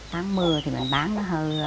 tấm mê này mình bán ra được bốn mươi mấy ngàn